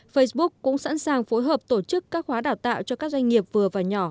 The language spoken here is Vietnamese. facebook cũng sẵn sàng phối hợp tổ chức các khóa đào tạo cho các doanh nghiệp vừa và nhỏ